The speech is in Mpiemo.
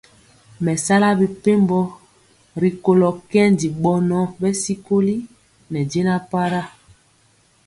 Me sala mɛpembo rikolo kɛndi bɔnɔ bɛ sikoli ne jɛna para,